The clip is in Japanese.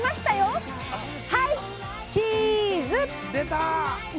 はいチーズ！出た！